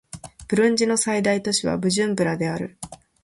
ブルンジの最大都市はブジュンブラである